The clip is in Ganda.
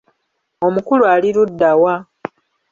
Omukulu ali ludda wa?